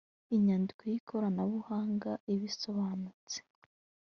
inyandiko yikoranabuhanga ibisobanutse.